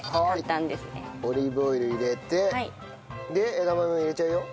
オリーブオイル入れてで枝豆も入れちゃうよ。